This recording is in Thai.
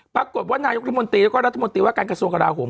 ปรากฏว่านายกรัฐมนตรีแล้วก็รัฐมนตรีว่าการกระทรวงกราโหม